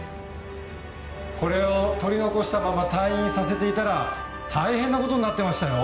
これを取り残したまま退院させていたら大変な事になってましたよ。